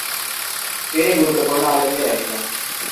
তিনি গুরুত্বপূর্ণ আলেমদের একজন।